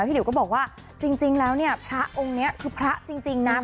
เดี๋ยวก็บอกว่าจริงแล้วเนี่ยพระองค์นี้คือพระจริงนะ